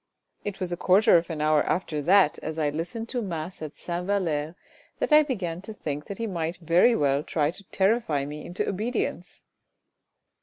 It was a quarter of an hour after that as I listened to mass at Sainte Valere that I began to think that he might very well try to terrify me into obedience."